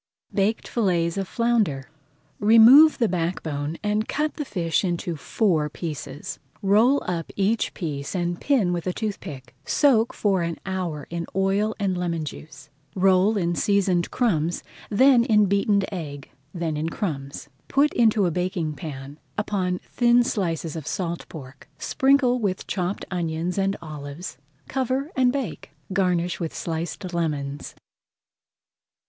BAKED FILLETS OF FLOUNDER Remove the back bone and cut the fish into four pieces. Roll up each piece and pin with a toothpick. Soak for an hour in oil and lemon juice. Roll in seasoned crumbs, then in beaten egg, then in crumbs. Put into a baking pan, upon thin slices of salt pork, sprinkle with chopped onion and olives, cover, and bake. Garnish with sliced lemons.